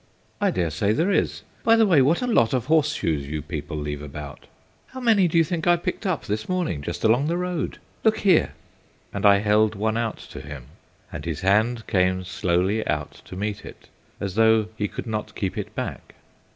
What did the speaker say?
"I dare say there is. By the way, what a lot of horseshoes you people leave about. How many do you think I picked up this morning just along the road? Look here!" and I held one out to him, and his hand came slowly out to meet it, as though he could not keep it back.